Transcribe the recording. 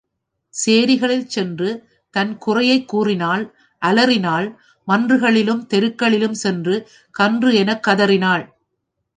சேரிகளில் சென்று தன் குறையைக் கூறினாள் அலறினாள் மன்றுகளிலும் தெருக் களிலும் சென்று கன்று எனக் கதறினாள்.